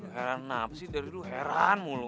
heran apa sih dari dulu heran mulu